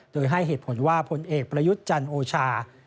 โดยให้เหตุผลว่าผลเอกประยุทธ์จันทร์โอชา